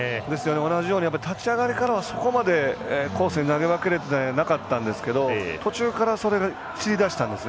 同じように立ち上がりからそこまでコースに投げ分けられてなかったんですが途中からそれ散りだしたんですよ。